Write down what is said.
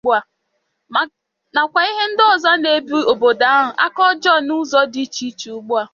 nakwa ihe ndị ọzọ na-ebi obodo ahụ aka ọjọọ n'ụzọ dị iche iche ugbua.